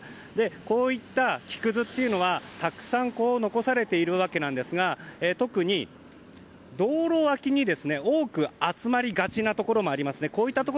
こういった木くずはたくさん残されているわけですが特に道路脇に多く集まりがちなところもあります。